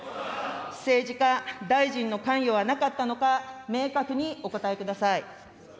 政治家、大臣の関与はなかったのか、明確にお答えください。